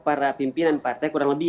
para pimpinan partai kurang lebih